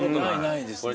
ないですね。